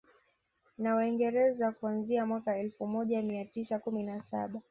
Na Waingereza kuanzia mwaka elfu moja mia tisa kumi na saba